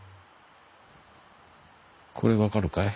これ分かるかい？